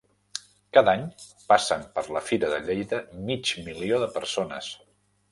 Cada any passen per la Fira de Lleida mig milió de persones.